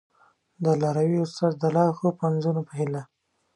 د لاروي استاد د لا ښو پنځونو په هیله!